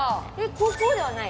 こうではない？